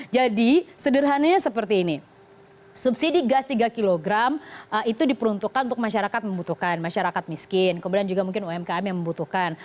jadi sederhananya seperti ini subsidi gas tiga kg itu diperuntukkan untuk masyarakat membutuhkan masyarakat miskin kemudian juga mungkin umkm yang membutuhkan